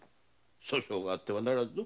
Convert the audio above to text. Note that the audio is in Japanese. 粗相があってはならんぞ。